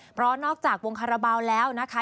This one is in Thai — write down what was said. เพราะนอกจากวงคาราบาลแล้วนะคะ